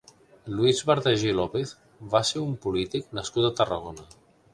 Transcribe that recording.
Luis Bardají López va ser un polític nascut a Tarragona.